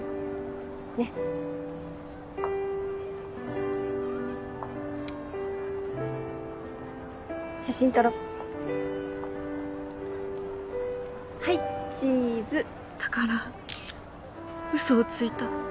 ねっ写真撮ろはいチーズだから嘘をついた。